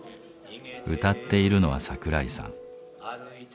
歌っているのは桜井さん。